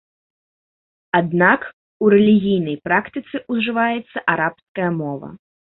Аднак, у рэлігійнай практыцы ўжываецца арабская мова.